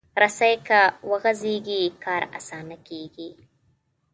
رسۍ که وغځېږي، کار اسانه کېږي.